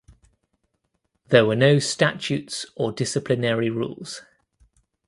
There were no statutes or disciplinary rules.